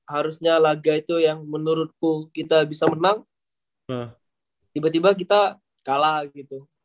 harusnya laga itu yang menurutku kita bisa menang tiba tiba kita kalah gitu